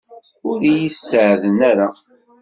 Ur yi-sɛeddan ara.